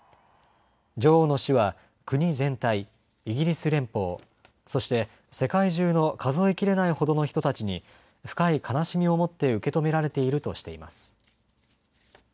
女王の死は国全体、イギリス連邦、そして世界中の数え切れないほどの人たちに深い悲しみを持って受け止められているとしています。